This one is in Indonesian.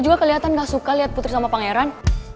lo juga keliatan gak suka liat putri sama pangeran